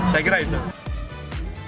saya kira itu